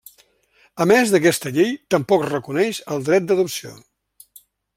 A més aquesta llei tampoc reconeix el dret d'adopció.